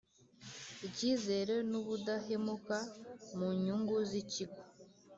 icyizere n‘ubudahemuka mu nyungu z’ikigo